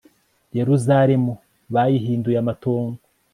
yeruzalemu bayihinduye amatongo